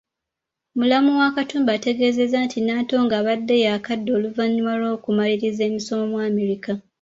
Mulamu wa Katumba ategeezezza nti Nantongo abadde yaakadda oluvannyuma lw’okumaliriza emisomo mu Amerika.